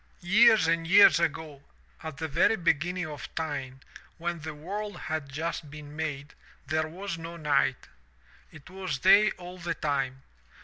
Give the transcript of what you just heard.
'*Years and years ago at the very beginning of time, when the world had just been made, there was no night. It was day all the time.